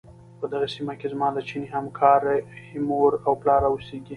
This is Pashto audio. په دغې سيمې کې زما د چيني همکارې مور او پلار اوسيږي.